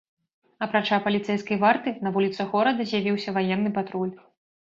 Апрача паліцэйскай варты, на вуліцах горада з'явіўся ваенны патруль.